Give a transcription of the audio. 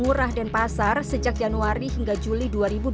di surah dan pasar sejak januari hingga juli dua ribu dua puluh tiga